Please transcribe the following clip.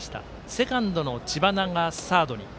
セカンドの知花がサードに。